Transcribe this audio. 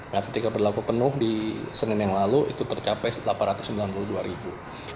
nah ketika berlaku penuh di senin yang lalu itu tercapai delapan ratus sembilan puluh dua ribu